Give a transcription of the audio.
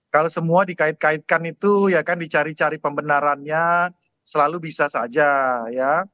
kalau semua dikait kaitkan itu ya kan dicari cari pembenarannya selalu bisa saja ya